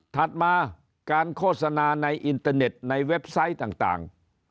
ถัดมาการโฆษณาในอินเตอร์เน็ตในเว็บไซต์ต่าง